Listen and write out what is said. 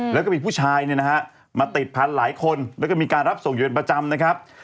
แล้วก็มีผู้ชายมาติดพันธุ์หลายคนและมีการรับส่งอยู่เป็นประจำ